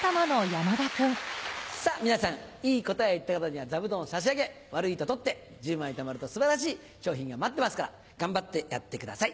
皆さんいい答えを言った方には座布団を差し上げ悪いと取って１０枚たまると素晴らしい賞品が待ってますから頑張ってやってください。